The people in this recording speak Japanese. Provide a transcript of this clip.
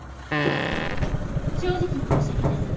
正直に申し上げます。